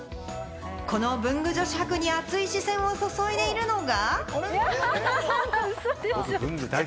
この文具女子博に熱い視線を注いでいるのが。